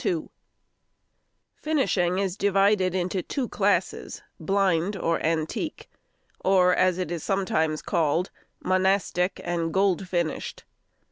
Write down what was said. |122| Finishing is divided into two classes—blind or antique, or, as it is sometimes called, monastic and gold finished.